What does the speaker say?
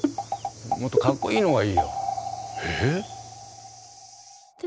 もっとかっこいいのがいいよ。えっ！？